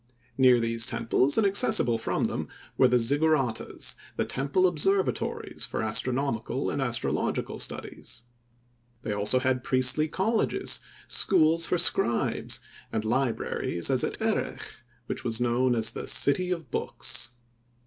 Near these temples, and accessible from them were the Zigguratas, the temple observatories for astronomical and astrological studies. They had also priestly colleges, schools for scribes, and libraries as at Erech, which was known as the "City of Books."